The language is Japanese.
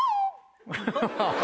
ハハハ。